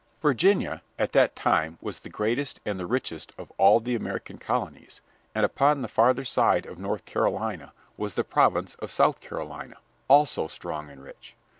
Virginia, at that time, was the greatest and the richest of all the American colonies, and upon the farther side of North Carolina was the province of South Carolina, also strong and rich.